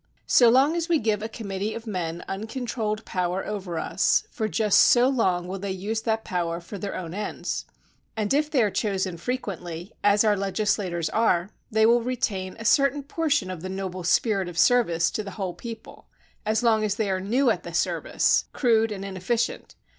So long as we give a committee of men uncontrolled power over us, for just so long will they use that power for their own ends. And if they are chosen frequently, as our legislators are, they will retain a certain portion of the noble spirit of service to the whole people as long as they are new at the service, crude and inefficient.